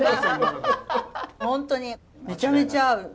本当にめちゃめちゃ合う。